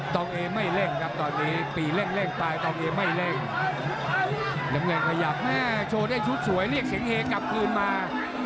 ดำเงินขยับแม่โชว์ได้ชุดสวยเรียกเสียงเฮกกลับคืนมา